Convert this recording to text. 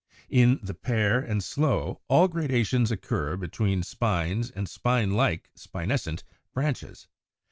In the Pear and Sloe all gradations occur between spines and spine like (spinescent) branches.